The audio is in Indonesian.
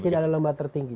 tidak ada lembaga tertinggi